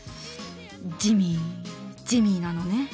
ジミージミーなのね。